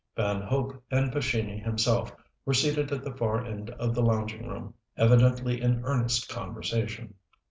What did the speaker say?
Van Hope and Pescini himself were seated at the far end of the lounging room, evidently in earnest conversation.